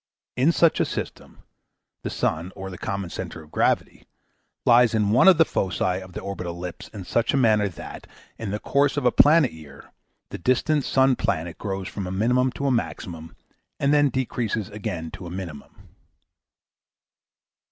In such a system, the sun, or the common centre of gravity, lies in one of the foci of the orbital ellipse in such a manner that, in the course of a planet year, the distance sun planet grows from a minimum to a maximum, and then decreases again to a minimum.